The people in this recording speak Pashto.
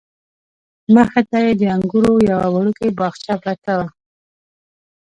مخې ته یې د انګورو یوه وړوکې باغچه پرته وه.